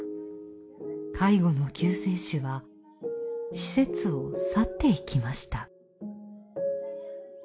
介護の救世主は施設を去っていきました。